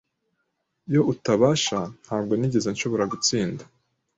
Iyo utabafasha, ntabwo nigeze nshobora gutsinda.